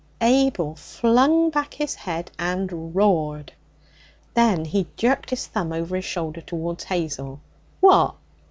Abel flung back his head and roared. Then he jerked his thumb over his shoulder towards Hazel. 'What?